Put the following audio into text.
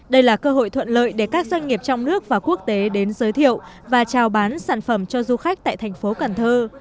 đây là cơ hội thuận lợi để các doanh nghiệp trong nước và quốc tế đến giới thiệu và trào bán sản phẩm cho du khách tại thành phố cần thơ